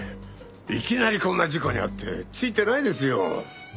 いきなりこんな事故に遭ってツイてないですよ。